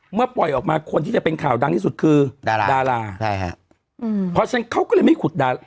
ปล่อยออกมาคนที่จะเป็นข่าวดังที่สุดคือดาราดาราใช่ฮะอืมเพราะฉะนั้นเขาก็เลยไม่ขุดดา